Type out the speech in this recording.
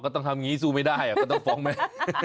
ก็ต้องทำงี้สู้ไม่ได้ก็ต้องฟ้องแม่